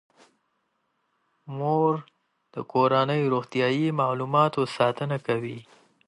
مور د کورنۍ د روغتیايي معلوماتو ساتنه کوي.